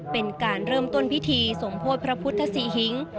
เป็นการเริ่มต้นพิธีสมโพธิพระพุทธศรีหิง